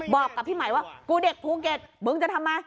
บอกกับพี่ไหมว่ากูเด็กภูเก็ตมึงจะทำไม